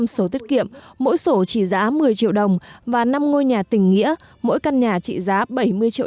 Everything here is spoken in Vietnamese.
năm sổ tiết kiệm mỗi sổ trị giá một mươi triệu đồng và năm ngôi nhà tỉnh nghĩa mỗi căn nhà trị giá bảy mươi triệu